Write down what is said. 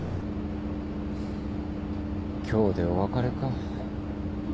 今日でお別れか。